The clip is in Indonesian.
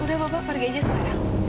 udah bapak pergi aja sekarang